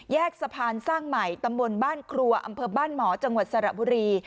สะพานสร้างใหม่ตำบลบ้านครัวอำเภอบ้านหมอจังหวัดสระบุรี